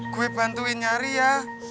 gue bantuin nyari ya